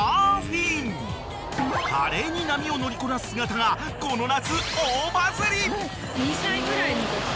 ［華麗に波を乗りこなす姿がこの夏］